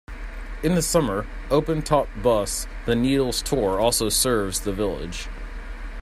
In the summer, open-top bus "The Needles Tour" also serves the village.